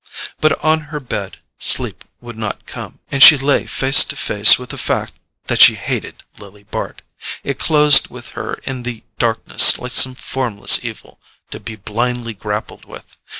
But on her bed sleep would not come, and she lay face to face with the fact that she hated Lily Bart. It closed with her in the darkness like some formless evil to be blindly grappled with.